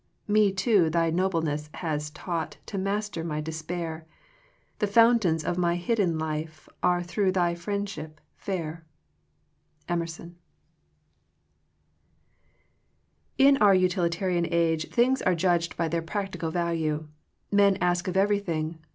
Me too tby nobleness bas taught To master my despair ; The fountains of my bidden life Art througb thy friendship fatr," Digitized by VjOOQIC THE FRUITS OF FRIENDSHIP I our utilitarian age things are judged by their practical value. Men ask of everything.